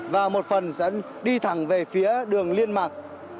và một phần sẽ đi thẳng về phía đường liên mạc